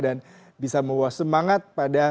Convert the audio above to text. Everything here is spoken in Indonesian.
dan bisa membawa semangat pada